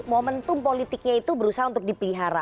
momentum politiknya itu berusaha untuk dipelihara